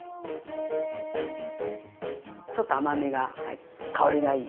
ちょっと甘みが入って香りがいい。